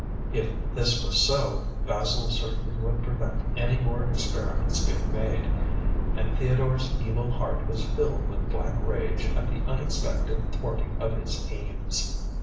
If this was so, Basil certainly would prevent any more experiments being made, and Theodore's evil heart was filled with black rage at the unexpected thwarting of his aims.